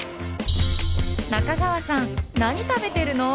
中川さん何食べてるの？